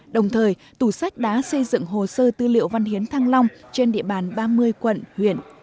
đồng thời tủ sách đã xây dựng hồ sơ tư liệu văn hiến thăng long trên địa bàn ba mươi quận huyện